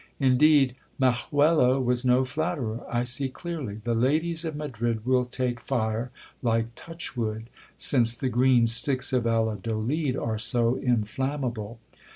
In deed Majuelo was no flatterer, I see clearly. The ladies of Madrid will take fire like touchwood, since the green sticks of Valladolid are so inflammable.